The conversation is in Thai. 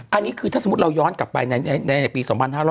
อันนี้คือถ้าสมมุติเราย้อนกลับไปในปี๒๕๕๙